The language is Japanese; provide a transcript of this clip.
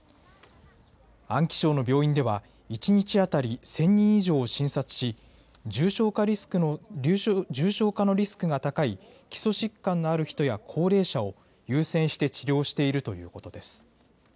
安徽省の病院では、１日当たり１０００人以上を診察し、重症化のリスクが高い基礎疾患のある人や高齢者を優先して治療しているということです。